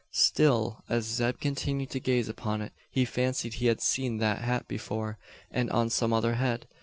Still, as Zeb continued to gaze upon it, he fancied he had seen that hat before, and on some other head.